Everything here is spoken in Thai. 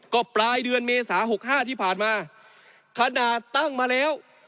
ก็ปลายเดือนเมษา๖๕ที่ผ่านมาขนาดตั้งมาแล้ว